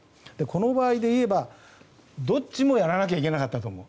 この場合でいえばどっちもやらなきゃいけなかったと思う。